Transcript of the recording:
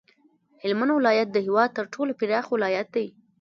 هلمند ولایت د هیواد تر ټولو پراخ ولایت دی